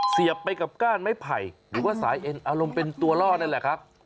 เสียบไปกับก้านไม้ไผ่หรือว่าสายเอ็นอารมณ์เป็นตัวล่อนั่นแหละครับ